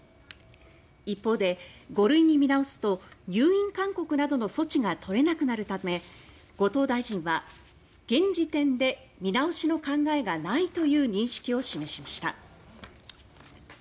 一方で、５類に見直すと入院勧告などの措置が取れなくなるため後藤大臣は感染拡大が続く中現時点で見直しの考えがないという認識を示しました。